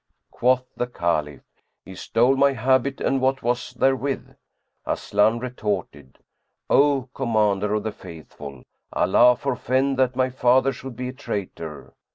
Quoth the Caliph, "He stole my habit and what was therewith." Aslan retorted, "O Commander of the Faithful, Allah forfend that my father should be a traitor!